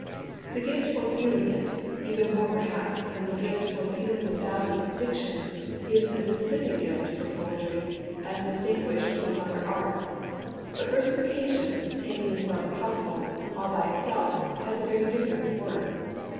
The gift for feeling it, even more perhaps than the gift for feeling the value of diction, is the specific gift for poetry, as distinguished from other arts. But versification, taken, as far as possible, all by itself, has a very different worth.